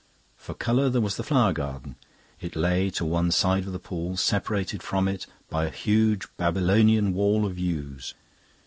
For colour there was the flower garden; it lay to one side of the pool, separated from it by a huge Babylonian wall of yews.